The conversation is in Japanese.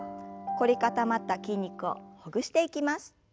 凝り固まった筋肉をほぐしていきます。